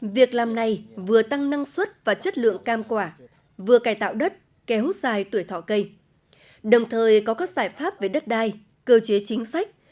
việc làm này vừa tăng năng suất và chất lượng cam quả vừa cài tạo đất kéo dài tuổi thọ cây đồng thời có các giải pháp về đất đai cơ chế chính sách